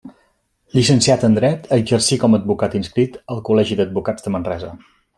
Llicenciat en dret, exercí com a advocat inscrit al Col·legi d'Advocats de Manresa.